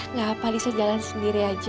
nggak apa apa lisa jalan sendiri aja